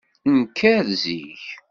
Nker zik.